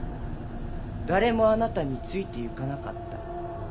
誰もあなたについていかなかった。